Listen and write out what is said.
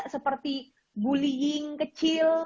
seperti bullying kecil